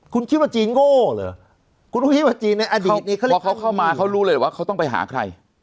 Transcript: คุณคิดว่าจีนโง่เหรอคุณต้องคิดว่าจีนในอดีตพอเขาเข้ามาเขารู้เลยเหรอว่าเขาต้องไปหาใคร